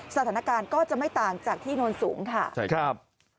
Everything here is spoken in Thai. สถานการณ์ก็จะไม่ต่างจากที่โน้นสูงค่ะใช่ครับ